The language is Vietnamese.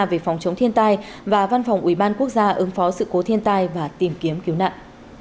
về phòng chống thiên tai và văn phòng ubnd quốc gia ứng phó sự cố thiên tai và tìm kiếm cứu nạn